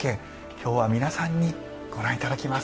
今日は皆さんにご覧頂きます。